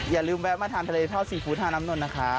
อย่าลืมแวะมาทานทะเลทอดซีฟู้ท่าน้ำนนท์นะคะ